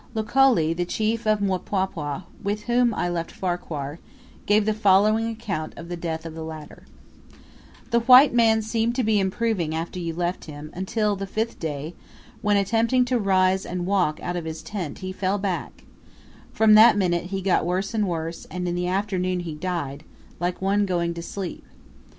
Leukole, the chief of Mpwapwa, with whom I left Farquhar, gave the following account of the death of the latter: "The white man seemed to be improving after you left him, until the, fifth day, when, while attempting to rise and walk out of his tent, he fell back; from that minute he got worse and worse, and in the afternoon he died, like one going to sleep.